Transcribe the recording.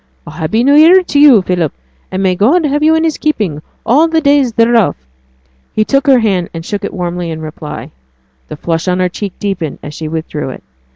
'A happy new year to you, Philip, and may God have you in his keeping all the days thereof!' He took her hand, and shook it warmly in reply. The flush on her cheek deepened as she withdrew it.